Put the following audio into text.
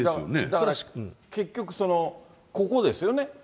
だから結局その、ここですよね。